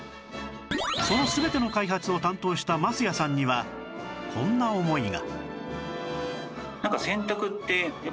その全ての開発を担当した升谷さんにはこんな思いが